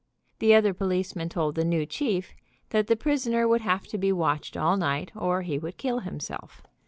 The other policemen told the new chief that the prisoner would have to be watched all night or he would kill himself.